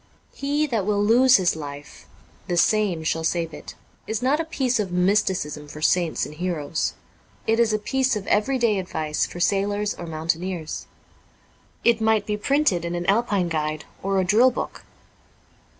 'He that will lose his life, the same shall save it,' is not a piece of mysticism for saints and heroes. It is a piece of everyday advice for sailors or mountaineers. I might be printed in an Alpine guide or a drill book.